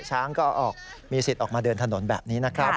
ช้างก็มีสิทธิ์ออกมาเดินถนนแบบนี้นะครับ